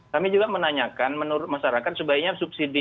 kami juga menanyakan menurut masyarakat sebaiknya subsidi